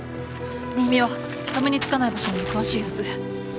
新見は人目につかない場所にも詳しいはず。